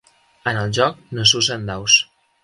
En el joc no s'usen daus.